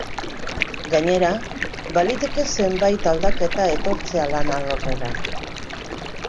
Gainera, baliteke zenbait aldaketa etortzea lan alorrera.